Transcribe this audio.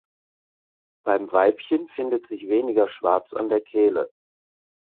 Beim Weibchen findet sich weniger schwarz an der Kehle.